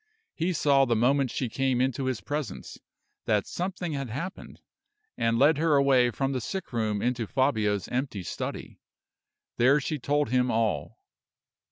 He saw the moment, she came into his presence, that something had happened, and led her away from the sick room into Fabio's empty study. There she told him all.